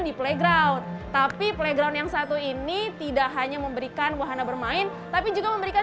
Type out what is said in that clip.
di playground tapi playground yang satu ini tidak hanya memberikan wahana bermain tapi juga memberikan